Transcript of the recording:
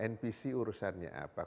npc urusannya apa